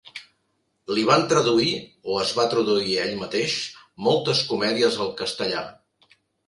Li van traduir, o es va traduir ell mateix, moltes comèdies al castellà.